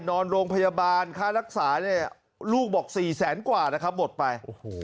นอนโรงพยาบาลค่ารักษาเนี่ยลูกบอก๔แสนกว่านะครับหมดไป